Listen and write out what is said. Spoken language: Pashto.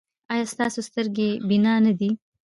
ایا ستاسو سترګې بینا نه دي؟